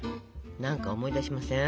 何か思い出しません？